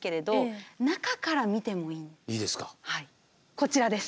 こちらです。